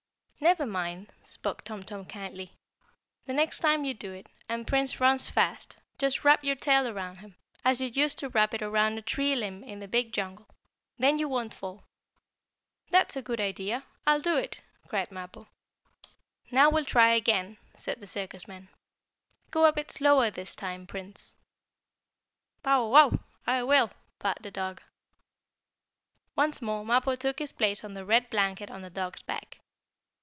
"Never mind," spoke Tum Tum kindly. "The next time you do it, and Prince runs fast, just wrap your tail around him, as you used to wrap it around a tree limb in the big jungle. Then you won't fall." "That's a good idea I'll do it!" cried Mappo. [Illustration: Around and around in a ring went Prince carrying Mappo. (Page 87)] "Now we'll try it again," said the circus man. "Go a bit slower this time, Prince." "Bow wow! I will!" barked the dog. Once more Mappo took his place on the red blanket on the dog's back.